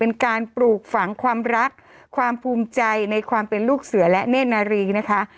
เป็นการปลูกฝังความรักความภูมิใจในความเป็นลูกเสือและเนธนารีนะคะ